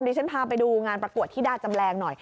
ฉันพาไปดูงานประกวดธิดาจำแรงหน่อย